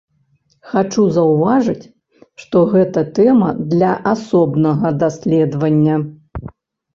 Хачу заўважыць, што гэта тэма для асобнага даследавання.